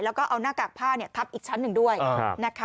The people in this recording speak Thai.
แล้วก็เอาหน้ากากผ้าทับอีกชั้นหนึ่งด้วยนะคะ